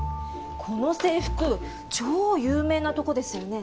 この制服超有名なとこですよね？